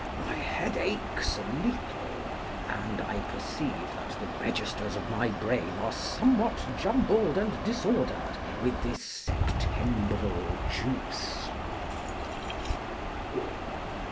My head aches a little, and I perceive that the registers of my brain are somewhat jumbled and disordered with this Septembral juice.